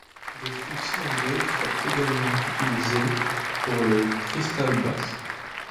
Des fûts cylindriques furent également utilisés pour le cristal basse.